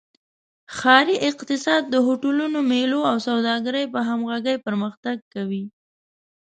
ښاري اقتصاد د هوټلونو، میلو او سوداګرۍ په همغږۍ پرمختګ کوي.